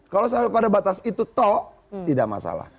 kalau sampai pada batas itu toh tidak masalah